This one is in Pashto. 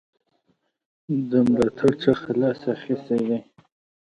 د ملاتړ څخه لاس اخیستی دی.